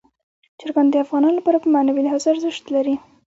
چرګان د افغانانو لپاره په معنوي لحاظ ارزښت لري.